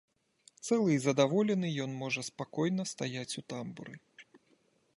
Цэлы і задаволены ён можа спакойна стаяць у тамбуры.